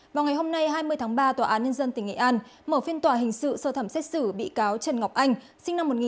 vào ngày hôm nay hai mươi tháng ba tòa án nhân dân tỉnh nghệ an mở phiên tòa hình sự sơ thẩm xét xử bị cáo trần ngọc anh